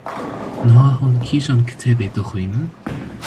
Niha hûn kîjan kitêbê dixwînin?